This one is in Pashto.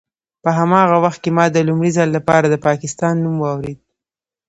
په هماغه وخت کې ما د لومړي ځل لپاره د پاکستان نوم واورېد.